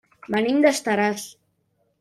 Venim d'Estaràs.